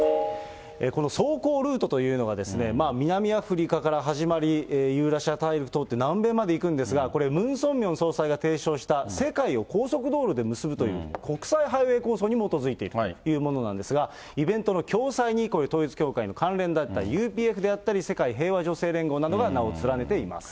この走行ルートというのが、南アフリカから始まり、ユーラシア大陸を通って、南米まで行くんですが、これ、ムン・ソンミョン総裁が提唱した、世界を高速道路で結ぶという、国際ハイウェイ構想に基づいているというものなんですが、イベントの共催には統一教会の関連団体、ＵＰＦであったり、世界平和女性連合などが名を連ねています。